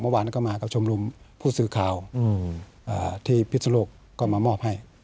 เมื่อวานก็มากับชมรมผู้สื่อข่าวที่พิศนโลกก็มามอบให้